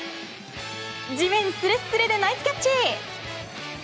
地面すれすれでナイスキャッチ。